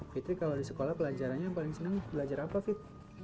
fitri kalau di sekolah pelajarannya yang paling senang belajar apa fit